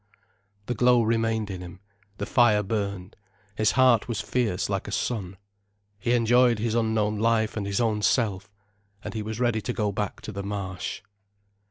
The glow remained in him, the fire burned, his heart was fierce like a sun. He enjoyed his unknown life and his own self. And he was ready to go back to the Marsh.